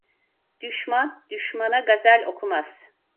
Düşman düşmana gazel okumaz.